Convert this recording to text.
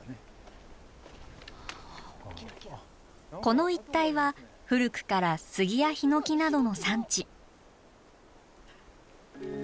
この一帯は古くから杉やひのきなどの産地。